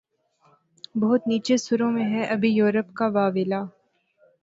بہت نیچے سروں میں ہے ابھی یورپ کا واویلا